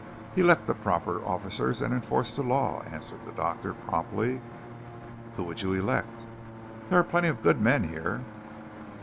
"Elect the proper officers and enforce the law," answered the doctor promptly. "Who would you elect?" "There are plenty of good men here."